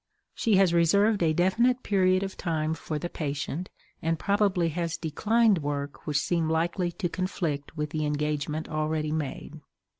She has reserved a definite period of her time for the patient, and probably has declined work which seemed likely to conflict with the engagement already made.